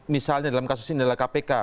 misalnya dalam kasus ini adalah kpk